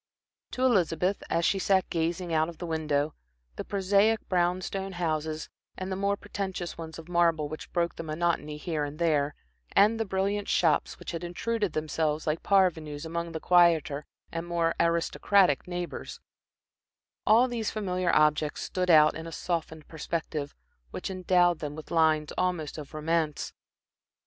To Elizabeth, as she sat gazing out of the window, the prosaic brown stone houses, and the more pretentious ones of marble which broke the monotony here and there, and the brilliant shops, which had intruded themselves like parvenus among their quieter and more aristocratic neighbors all these familiar objects stood out in a softened perspective, which endowed them with lines almost of romance.